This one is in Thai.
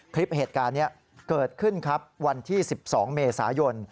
คลิปเหตุการณ์นี้เกิดขึ้นครับวันที่๑๒เมษายน